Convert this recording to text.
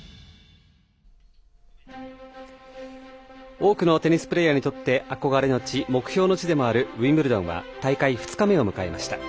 多くのテニスプレーヤーにとって憧れの地、目標の地でもあるウィンブルドンは大会２日目を迎えました。